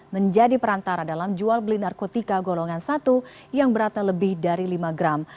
menjadi perantara dalam jual beli narkotika golongan satu yang beratnya lebih dari lima gram